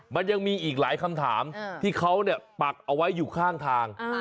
มันยังมีอีกหลายคำถามที่เขาปักเอาไว้อยู่ข้างทาง